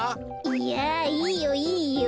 いやいいよいいよ。